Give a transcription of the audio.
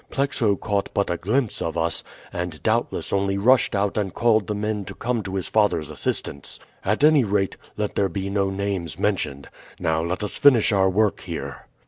Plexo caught but a glimpse of us, and doubtless only rushed out and called to the men to come to his father's assistance. At any rate, let there be no names mentioned. Now let us finish our work here."